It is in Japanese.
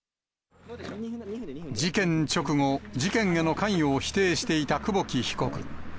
事件直後、事件への関与を否定していた久保木被告。